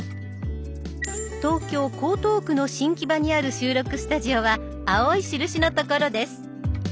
東京・江東区の新木場にある収録スタジオは青い印の所です。